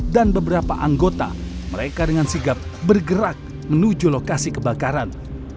dan beberapa anggota mereka dengan sigap bergerak menuju lokasi kebakaran